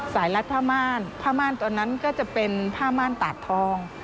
สายรัฐพระม่านพระม่านตอนนั้นก็จะเป็นพระม่านตาดทอง